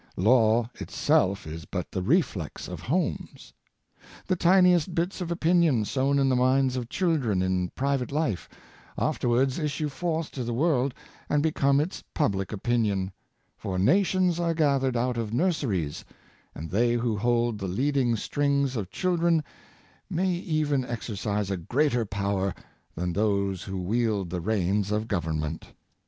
Law itself is but the reflex of homes. The tiniest bits of opinion sown in the minds of children in private life, afterwards issue forth to the world, and become its public opinion; for nations are gathered out of nurseries, and they who hold the leading strings of children may even exercise a Uojjie and Civilization, 89 greater power than those who wield the reins of gov ernment.